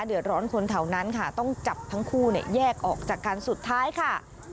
เดือดร้อนคนแถวนั้นค่ะต้องจับทั้งคู่เนี่ยแยกออกจากกันสุดท้ายค่ะ